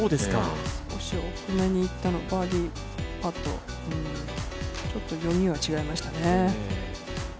少し大きめにいったバーディーパット、ちょっと読みは違いましたね。